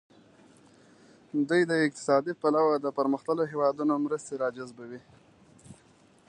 دوی د اقتصادي پلوه د پرمختللو هیوادونو مرستې را جذبوي.